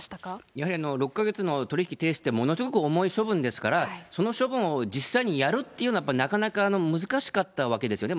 やはり６か月の取引停止って、ものすごく重い処分ですから、その処分を実際にやるっていうのは、なかなか難しかったわけですよね。